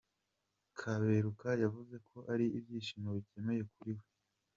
Kaberuka yavuze ko ari ibyishimo bikomeye kuri we.